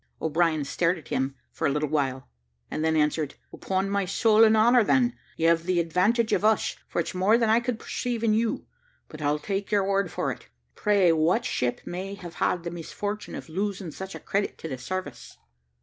O'Brien stared at him for a little while, and then answered, "Upon my soul and honour, then, you've the advantage of us, for it's more than I could perceive in you; but I'll take your word for it. Pray what ship may have had the misfortune of losing such a credit to the service?"